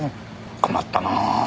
困ったなぁ。